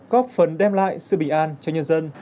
góp phần đem lại sự bình an cho nhân dân